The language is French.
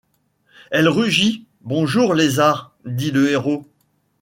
Elle rugit. -Bonjour, lézard, dit le héros.